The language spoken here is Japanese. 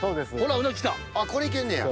これいけんねや。